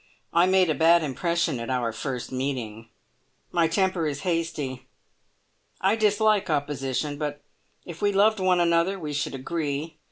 I made a bad impression at our first meeting. My temper is hasty. I dislike opposition, but if we loved one another we should agree.